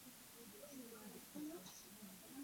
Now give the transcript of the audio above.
Mo ĩĩ tezyah mo rǝk me ke suu dan zah tok cuuro.